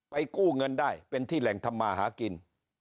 กู้เงินได้เป็นที่แหล่งทำมาหากิน